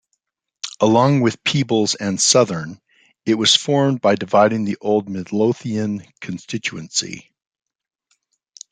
Along with Peebles and Southern, it was formed by dividing the old Midlothian constituency.